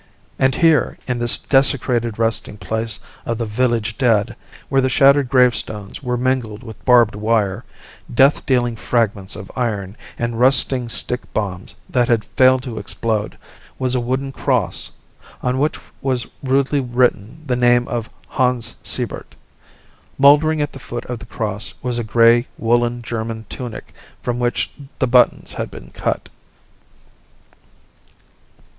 And here, in this desecrated resting place of the village dead, where the shattered gravestones were mingled with barbed wire, death dealing fragments of iron, and rusting stick bombs that had failed to explode, was a wooden cross, on which was rudely written the name of Hans Siebert. Mouldering at the foot of the cross was a grey woollen German tunic from which the buttons had been cut.